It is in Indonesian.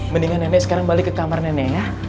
mendingan nenek sekarang balik ke kamar nenek ya